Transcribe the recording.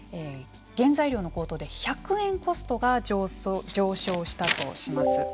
原材料の高騰で１００円コストが上昇したとします。